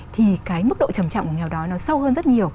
thì cái mức độ trầm trọng của nghèo đói